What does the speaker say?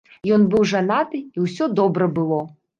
Ён быў жанаты і ўсё добра было.